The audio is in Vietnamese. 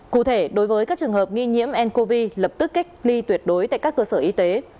cụ thể đối với các trường hợp nghi nhiễm ncov lập tức cách ly tuyệt đối tại các cơ sở y tế